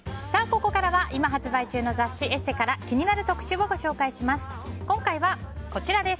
ここからは今発売中の雑誌「ＥＳＳＥ」から気になる特集をご紹介します。